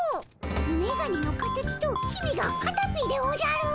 めがねの形と公がカタピーでおじゃる。